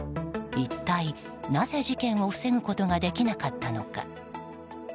一体なぜ事件を防ぐことができなかったのか。